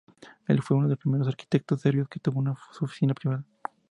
Él fue uno de los primeros arquitectos serbios que tuvo su oficina privada.